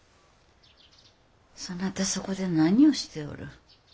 そなたそこで何をしておる。